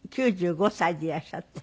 ９５歳でいらっしゃって。